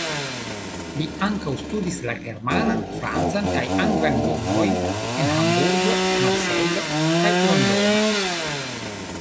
Li ankaŭ studis la germanan, francan kaj anglan lingvojn en Hamburgo, Marsejlo kaj Londono.